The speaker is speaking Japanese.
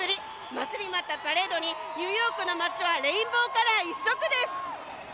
待ちに待ったパレードにニューヨークの街はレインボーカラー一色です。